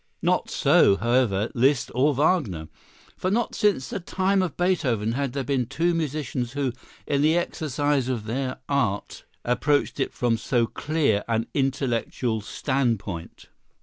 Not so, however, Liszt or Wagner, for not since the time of Beethoven had there been two musicians who, in the exercise of their art, approached it from so clear an intellectual standpoint.